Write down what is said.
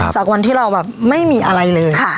จากวันที่เราแบบไม่มีอะไรเลย